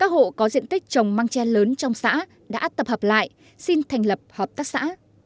hợp tác xã đã tập hợp lại xin thành lập hợp tác xã